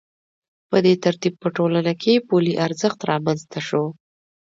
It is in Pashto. په دې ترتیب په ټولنه کې پولي ارزښت رامنځته شو